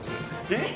えっ！